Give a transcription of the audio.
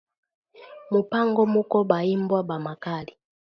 Mu mpango muko ba imbwa ba makali